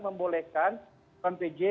membolehkan pem pj